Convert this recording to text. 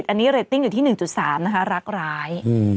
อันนี้เรตติ้งอยู่ที่๑๓นะคะรักร้าย